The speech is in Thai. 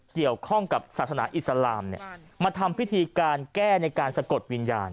เกี่ยวข้องกับศาสนาอิสลามมาทำพิธีการแก้ในการสะกดวิญญาณ